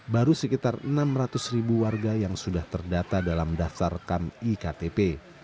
baru sekitar enam ratus ribu warga yang sudah terdata dalam daftar rekam iktp